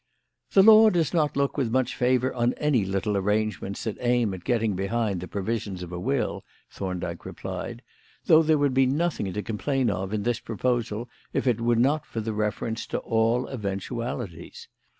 "The law does not look with much favour on any little arrangements that aim at getting behind the provisions of a will," Thorndyke replied; "though there would be nothing to complain of in this proposal if it were not for the reference to 'all eventualities.'